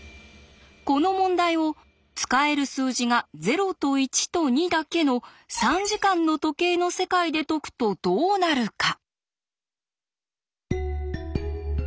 この問題を使える数字が０と１と２だけの３時間の時計の世界で解くとどうなるか？